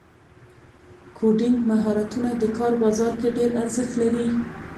کوډینګ مهارتونه د کار بازار کې ډېر ارزښت لري.